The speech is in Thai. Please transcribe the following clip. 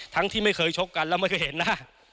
ทั้งที่ไม่เคยชกกันแล้วไม่เคยเห็นนะ